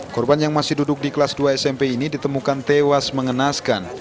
korban yang masih duduk di kelas dua smp ini ditemukan tewas mengenaskan